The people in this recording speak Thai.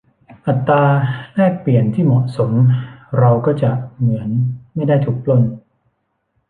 อัตราแลกเปลี่ยนที่เหมาะสมเราก็จะเหมือนไม่ได้ถูกปล้น